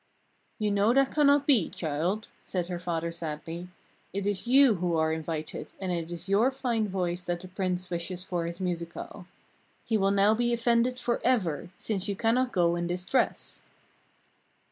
"You know that cannot be, child," said her father sadly. "It is you who are invited, and it is your fine voice that the Prince wishes for his musicale. He will now be offended for ever, since you cannot go in this dress."